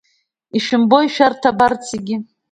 Ишәымбои шәара абарҭ зегьы?